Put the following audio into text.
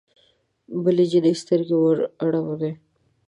بلې جینۍ سترګې درواړولې